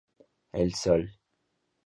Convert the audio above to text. El Sol